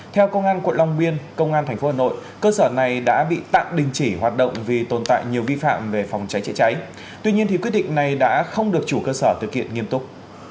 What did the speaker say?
theo công an quận long biên công an tp hà nội cơ sở này đã bị tạm đình chỉ hoạt động vì tồn tại nhiều vi phạm về phòng cháy chữa cháy tuy nhiên quyết định này đã không được chủ cơ sở thực hiện nghiêm túc